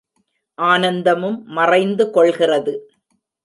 ஆனந்தமும் மறைந்து கொள்கிறது.